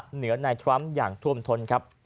เหนือนายทรัมป์อย่างท่วมท้นครับ